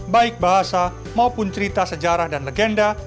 baik bahasa maupun cerita sejarah dan legenda